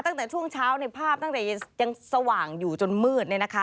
ตั้งแต่ช่วงเช้าในภาพตั้งแต่ยังสว่างอยู่จนมืด